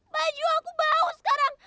baju aku bau sekarang